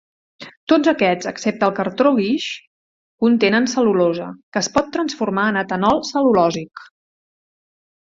Tots aquests, excepte el cartó guix, contenen cel·lulosa, que es pot transformar en etanol cel·lulòsic.